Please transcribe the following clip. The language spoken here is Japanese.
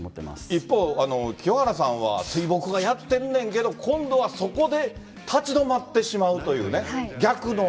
一方、清原さんは水墨画やってんねんけど、今度はそこで立ち止まってしまうというね、逆の。